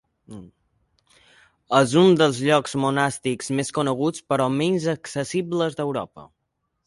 És un dels llocs monàstics més coneguts, però menys accessibles d'Europa.